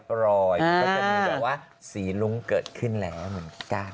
รอยก็จะมีแบบว่าสีลุ้งเกิดขึ้นแล้วเหมือนกัน